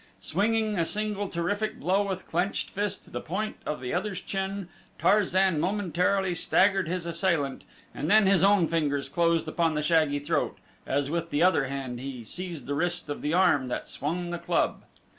Swinging a single terrific blow with clenched fist to the point of the other's chin, Tarzan momentarily staggered his assailant and then his own fingers closed upon the shaggy throat, as with the other hand he seized the wrist of the arm that swung the club.